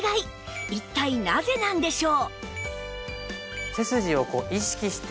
一体なぜなんでしょう？